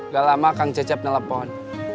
gak lama kang cecep nelpon